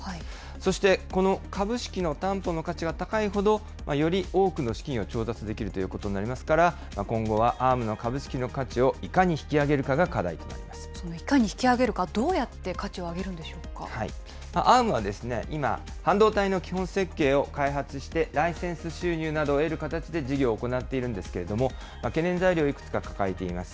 そしてこの株式の担保の価値が高いほど、より多くの資金を調達できるということになりますから、今後はＡｒｍの株式の価値をいかいかに引き上げるか、どうやＡｒｍは、今、半導体の基本設計を開発してライセンス収入などを得る形で事業を行っているんですけれども、懸念材料をいくつか抱えています。